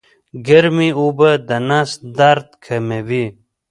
ګرمې اوبه د نس درد کموي